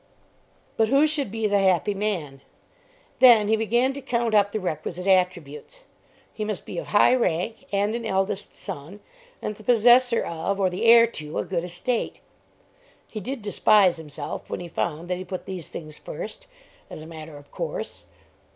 But who should be the happy man? Then he began to count up the requisite attributes. He must be of high rank, and an eldest son, and the possessor of, or the heir to, a good estate. He did despise himself when he found that he put these things first, as a matter of course.